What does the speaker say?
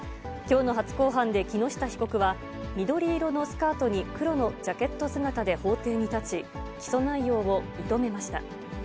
きょうの初公判で木下被告は、緑色のスカートに黒のジャケット姿で法廷に立ち、起訴内容を認めました。